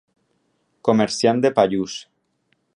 Comerciant de pallús.